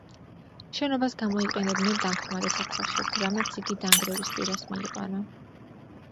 შენობას გამოიყენებდნენ დამხმარე სათავსოდ, რამაც იგი დანგრევის პირას მიიყვანა.